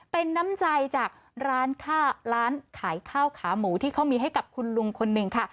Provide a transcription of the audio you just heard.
เป็นน้ำใจจากร้านขายข้าวขาหมูที่เขามีให้กับคุณลุงคนหนึ่งค่ะ